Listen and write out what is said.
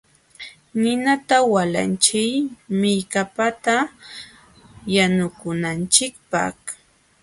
Ninata walachiy millkapata yanukunanchikpaq.